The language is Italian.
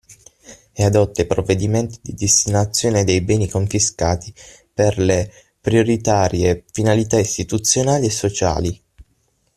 E adotta i provvedimenti di destinazione dei beni confiscati per le prioritarie finalità istituzionali e sociali.